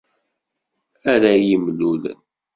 Ara-y-imlulen.